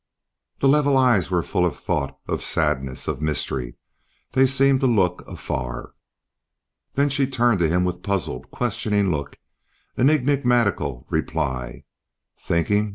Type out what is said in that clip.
The level eyes were full of thought, of sadness, of mystery; they seemed to look afar. Then she turned to him with puzzled questioning look and enigmatical reply. "Thinking?"